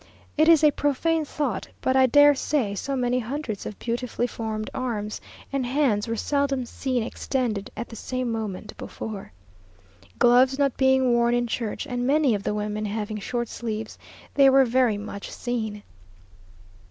It is a profane thought, but I dare say so many hundreds of beautifully formed arms and hands were seldom seen extended at the same moment before. Gloves not being worn in church, and many of the women having short sleeves, they were very much seen.